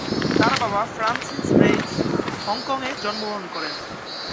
তার বাবা, Francis Reyes, হংকংয়ে জন্মগ্রহণ করেন।